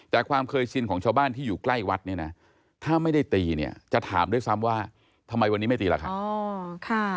แต่ความเคยชินของชาวบ้านที่อยู่ใกล้วัดเนี่ยนะถ้าไม่ได้ตีเนี่ยจะถามด้วยซ้ำว่าทำไมวันนี้ไม่ตีราคา